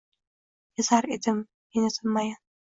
Kezar edim, meni tinmayin